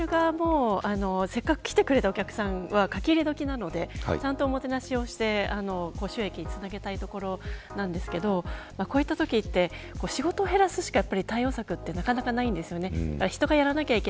受け入れる側もせっかく来てくれたお客さんはかき入れ時なのでおもてなしをして高収益につなげたいところなんですけどこういったときって仕事を減らすしか対応策がなかなか、ないです。